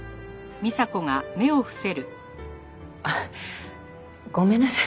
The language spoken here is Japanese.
あっごめんなさい。